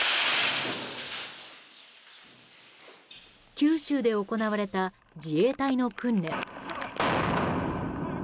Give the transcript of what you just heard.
九州で行われた自衛隊の訓練。